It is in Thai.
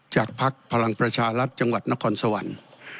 พักพลังประชารัฐจังหวัดนครสวรรค์